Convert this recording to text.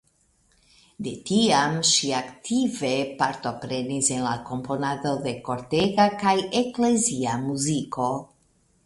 De tiam ŝi aktive partoprenis en la komponado de kortega kaj eklezia muziko.